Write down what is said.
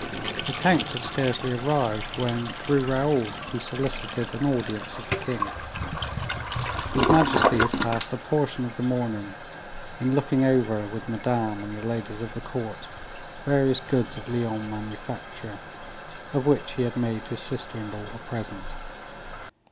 The count had scarcely arrived, when, through Raoul, he solicited an audience of the king. His majesty had passed a portion of the morning in looking over, with madame and the ladies of the court, various goods of Lyons manufacture, of which he had made his sister in law a present.